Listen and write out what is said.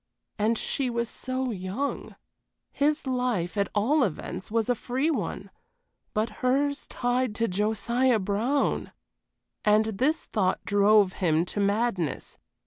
And she was so young. His life, at all events, was a free one; but hers tied to Josiah Brown! And this thought drove him to madness.